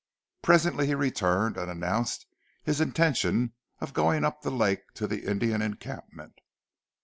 Presently he returned and announced his intention of going up the lake to the Indian encampment.